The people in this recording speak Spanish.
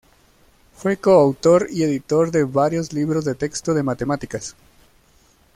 Fue coautor y editor de varios libros de texto de matemáticas.